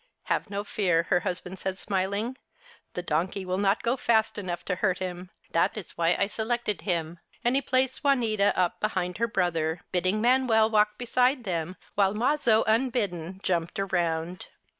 " Have no fear," her husband said, smiling, " the donkey will not go fast enough to hurt him ; that is why I selected him." And he placed Juanita up behind her brother, bid ding Manuel walk beside them, while Mazo, unbidden, jumped around.